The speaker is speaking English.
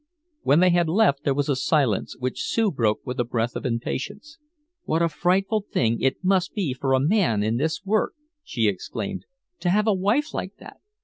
When they had left there was a silence, which Sue broke with a breath of impatience. "What a frightful thing it must be for a man in this work," she exclaimed, "to have a wife like that!